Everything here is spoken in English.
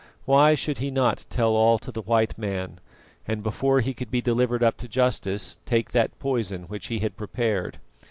Why should he not tell all to the white man, and before he could be delivered up to justice take that poison which he had prepared?